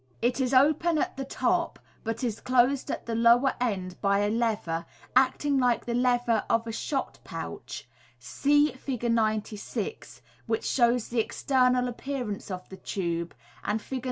It is open at the top, but is closed at the lower end by a lever, acting like the lever of .a shot pouch. (See Fig. 96, which shows the external appearance of the tube, and Fig.